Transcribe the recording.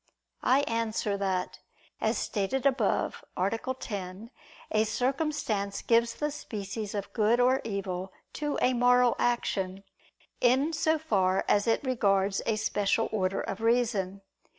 I answer that, As stated above (A. 10), a circumstance gives the species of good or evil to a moral action, in so far as it regards a special order of reason.